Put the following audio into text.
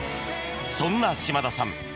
そんな島田さん